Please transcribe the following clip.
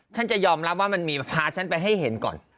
ฉันจะยอมรับว่ามันมีพาฉันไปให้เห็นก่อน